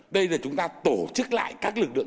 đây là chúng ta tổ chức lại các lực lượng